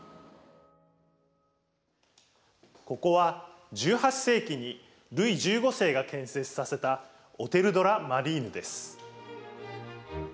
ここは、１８世紀にルイ１５世が建設させたオテル・ド・ラ・マリーヌです。